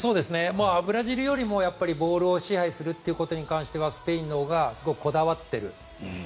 ブラジルよりもボールを支配するということに関してはスペインのほうがこだわっている。